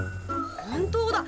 本当だ。